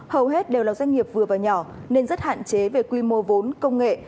hầu hết đều là doanh nghiệp vừa và nhỏ nên rất hạn chế về quy mô vốn công nghệ